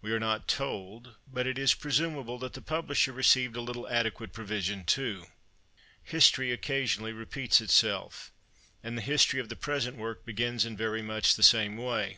We are not told, but it is presumable, that the publisher received a little adequate provision too. History occasionally repeats itself; and the history of the present work begins in very much the same way.